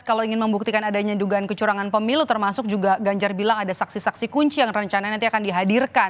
kalau ingin membuktikan adanya dugaan kecurangan pemilu termasuk juga ganjar bilang ada saksi saksi kunci yang rencana nanti akan dihadirkan